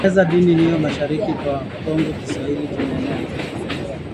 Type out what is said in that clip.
kueneza dini hiyo Mashariki mwa Kongo Kiswahili kimeenea